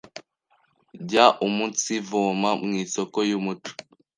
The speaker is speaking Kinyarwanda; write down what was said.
jya umunsivoma mw’isoko y’umuco,